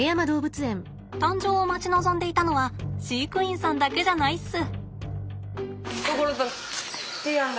誕生を待ち望んでいたのは飼育員さんだけじゃないっす。